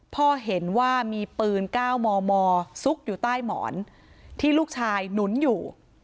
พ่อเห็นว่ามีปืน๙มมซุกอยู่ใต้หมอนที่ลูกชายหนุนอยู่